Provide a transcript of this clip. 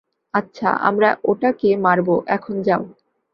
আচ্ছা, আমরা ওটাকে মারবো, এখন যাও!